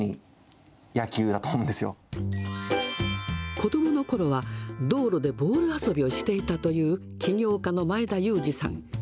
子どものころは道路でボール遊びをしていたという起業家の前田裕二さん。